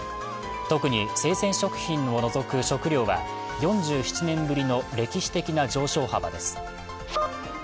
特に生鮮食品を除く食料は４７年ぶりの歴史的な上昇幅です。